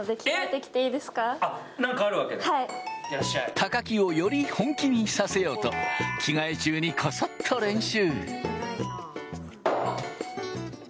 高木をより本気にさせようと着替え中にコソっと練習。